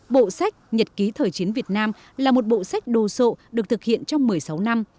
bộ sách nhật ký thời chiến việt nam là một bộ sách đồ sộ được thực hiện trong một mươi sáu năm